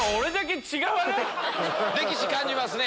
歴史感じますね。